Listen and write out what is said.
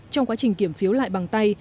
trong quá trình kiểm phiếu lại bằng tay